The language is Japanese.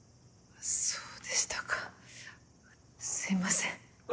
そうでしたかすいません。